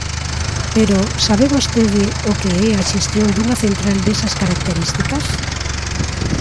Pero ¿sabe vostede o que é a xestión dunha central desas características?